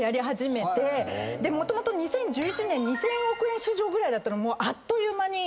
もともと２０１１年２，０００億円市場ぐらいだったのがあっという間に伸びたんですよ。